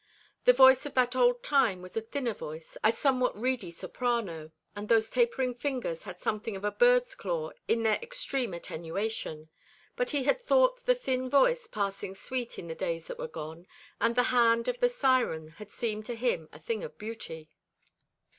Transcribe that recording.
The voice of that old time was a thinner voice, a somewhat reedy soprano, and those tapering fingers had something of a bird's claws in their extreme attenuation; but he had thought the thin voice passing sweet in the days that were gone, and the hand of the siren had seemed to him a thing of beauty.